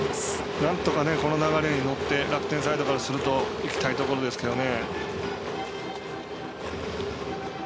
なんとかこの流れに乗って楽天サイドとするといきたいところですけどね。